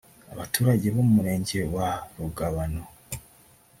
Abaturage bo mu murenge wa Rugabano